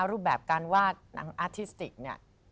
รูปแบบการวาดหนังอาทิสติกเนี่ย